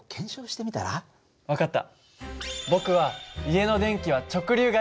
分かった。